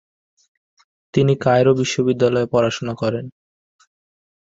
তিনি কায়রো বিশ্ববিদ্যালয়ে পড়াশোনা করেন।